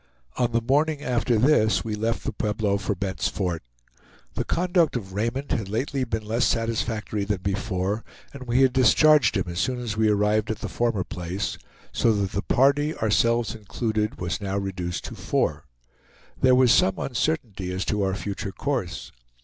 On the morning after this we left the Pueblo for Bent's Fort. The conduct of Raymond had lately been less satisfactory than before, and we had discharged him as soon as we arrived at the former place; so that the party, ourselves included, was now reduced to four. There was some uncertainty as to our future course.